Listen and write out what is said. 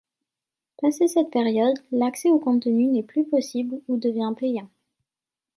Passée cette période, l’accès aux contenus n’est plus possible ou devient payant.